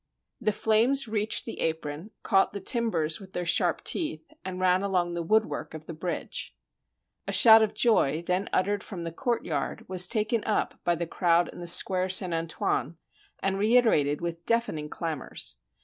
The flames reached the apron, caught the timbers with their sharp teeth, and ran along the woodwork of the bridge. A shout of joy then uttered from the courtyard was taken up by the crowd in the Square St. Antoine, and reiterated with deafening clamors.